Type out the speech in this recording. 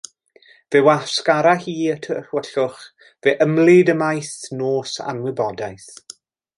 Fe wasgara hi y tywyllwch, fe ymlid ymaith nos anwybodaeth.